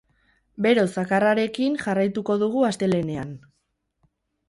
Bero zakarrarekin jarraituko dugu astelehenean.